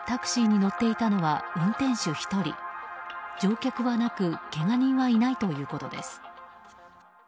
乗客はなくけが人はいないということです。